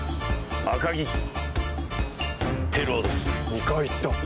２回言った。